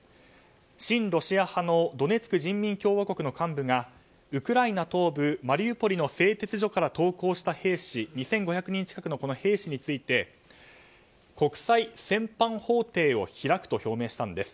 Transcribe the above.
親ロシア派のドネツク人民共和国の幹部がウクライナ東部マリウポリの製鉄所から投降した２５００人近くの兵士について国際戦犯法廷を開くと表明したんです。